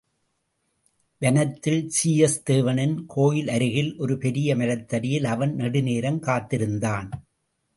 வனத்தில், சீயஸ் தேவனின் கோயிலருகில், ஒரு பெரிய மரத்தடியில் அவன் நெடுநேரம் காத்திருந்தான்.